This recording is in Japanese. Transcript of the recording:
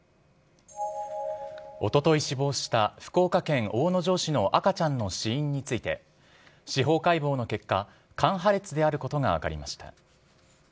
おととい死亡した福岡県大野城市の赤ちゃんの死因について、司法解剖の結果、肝破裂であることが分かりました。